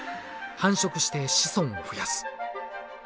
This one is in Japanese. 繁殖して子孫を増やす。